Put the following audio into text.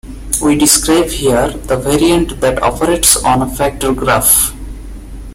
We describe here the variant that operates on a factor graph.